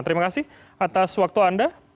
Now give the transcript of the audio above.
terima kasih atas waktu anda